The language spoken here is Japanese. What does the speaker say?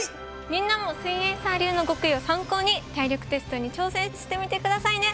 みんなもすイエんサー流の極意を参考に体力テストに挑戦してみてくださいね！